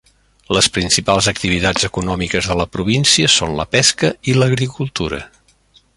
Les principals activitats econòmiques de la província són la pesca i l'agricultura.